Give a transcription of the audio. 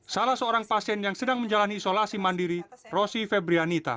salah seorang pasien yang sedang menjalani isolasi mandiri rosi febrianita